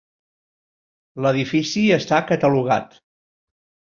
L'edifici està catalogat.